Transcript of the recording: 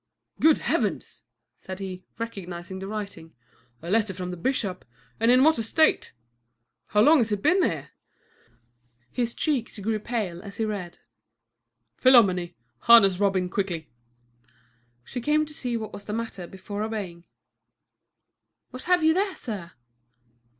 "Good Heavens!" said he, recognizing the writing. "A letter from the bishop; and in what a state! How long has it been here?" His cheek grew pale as he read. "Philomène, harness Robin quickly." She came to see what was the matter before obeying. "What have you there, sir?"